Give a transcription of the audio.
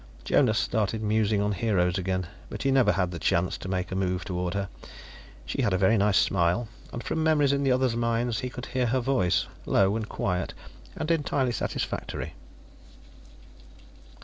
Jonas started musing on Heroes again, but he never had the chance to make a move toward her. She had a very nice smile, and from memories in the others' minds he could hear her voice, low and quiet and entirely satisfactory.